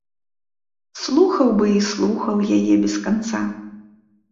Слухаў бы і слухаў яе без канца.